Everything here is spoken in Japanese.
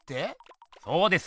そうです。